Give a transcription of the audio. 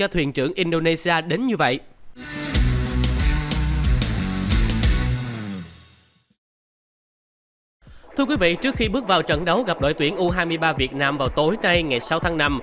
thưa quý vị trước khi bước vào trận đấu gặp đội tuyển u hai mươi ba việt nam vào tối nay ngày sáu tháng năm